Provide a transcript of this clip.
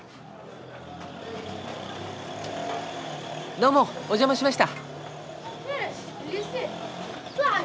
どうもお邪魔しました。